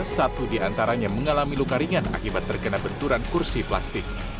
satu di antaranya mengalami luka ringan akibat terkena benturan kursi plastik